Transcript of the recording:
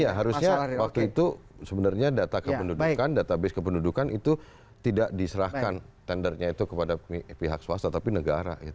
iya harusnya waktu itu sebenarnya data kependudukan database kependudukan itu tidak diserahkan tendernya itu kepada pihak swasta tapi negara